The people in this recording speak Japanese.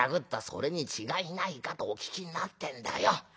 それに違いないかとお聞きになってんだよ」。